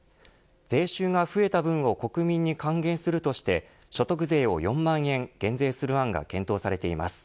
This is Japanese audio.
税収が増えた分を国民に還元するとして所得税を４万円減税する案が検討されています。